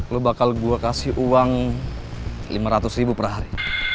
lo bakal gue kasih uang lima ratus ribu per hari